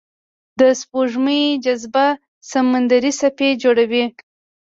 د سپوږمۍ جاذبه سمندري څپې جوړوي.